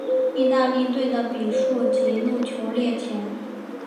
意大利队的比数及入球列前。